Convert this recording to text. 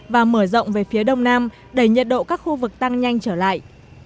và mở rộng về phía đông nam đẩy nhiệt độ các khu vực tăng nhanh trở lại